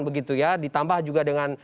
begitu ya ditambah juga dengan